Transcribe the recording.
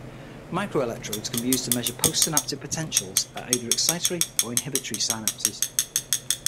Microelectrodes can be used to measure postsynaptic potentials at either excitatory or inhibitory synapses.